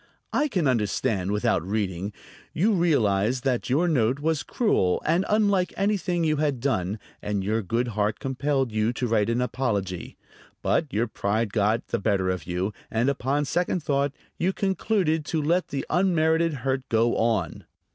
"I can understand without reading. You realized that your note was cruel and unlike anything you had done, and your good heart compelled you to write an apology; but your pride got the better of you, and upon second thought you concluded to let the unmerited hurt go on."